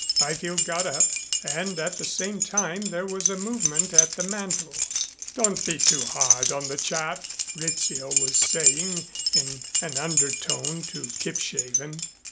Byfield got up and at the same time there was a movement at the mantel. "Don't be too hard on the chap," Rizzio was saying in an undertone to Kipshaven.